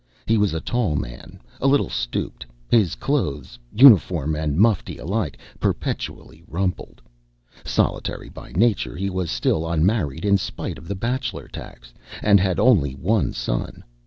He was a tall man, a little stooped, his clothes uniform and mufti alike perpetually rumpled. Solitary by nature, he was still unmarried in spite of the bachelor tax and had only one son.